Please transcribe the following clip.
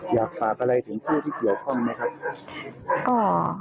อยากฝากอะไรถึงผู้ที่เกี่ยวข้องไหมครับ